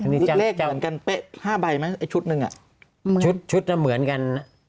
เลขเหมือนกัน๕ใบไหมไอ้ชุดนึงอ่ะชุดน่ะเหมือนกัน